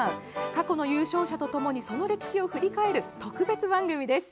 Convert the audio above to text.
過去の優勝者とともにその歴史を振り返る特別番組です。